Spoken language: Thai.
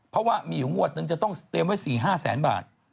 เพราะว่ามีอยู่งวดนึงจะต้องเตรียมไว้๔๕แสนบาท